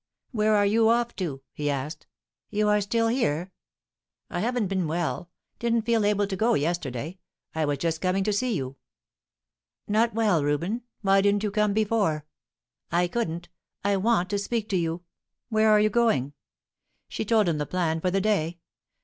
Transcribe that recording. "Where are you off to?" he asked. "You are still here?" "I haven't been well. Didn't feel able to go yesterday. I was just coming to see you." "Not well, Reuben? Why didn't you come before?" "I couldn't. I want to speak to you. Where are you going?" She told him the plan for the day.